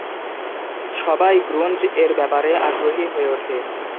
সবাই গ্রুঞ্জ-এর ব্যাপারে আগ্রহী হয়ে ওঠে।